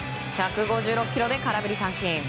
１５６キロで空振り三振。